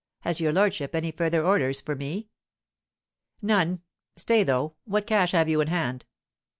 Has your lordship any further orders for me?" "None. Stay, though; what cash have you in hand?"